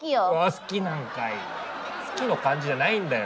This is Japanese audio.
好きの感じじゃないんだよ！